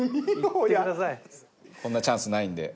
こんなチャンスないんで。